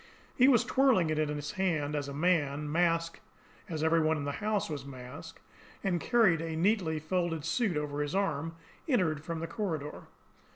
He was twirling it in his hand, as a man, masked as every one in the house was masked, and carrying a neatly folded suit over his arm, entered from the corridor.